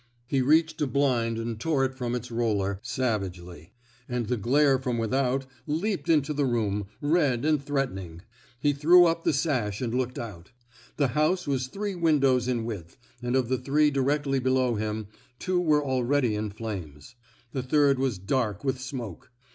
He reached a blind and tore it from its roller, savagely; and the glare from without leaped into the room, red and threatening. He threw up the sash and looked out. The house was three windows in width; and of the three directly below him, two were already in flames. The third was dark with smoke.